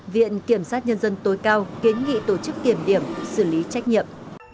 viện kiểm sát nhân dân tối cao kiến nghị tổ chức kiểm điểm xử lý trách nhiệm